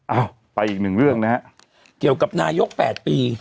เอ้าไปอีก๑เรื่องนะครับเกี่ยวกับนายก๘ปี